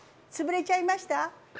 つぶれちゃいました？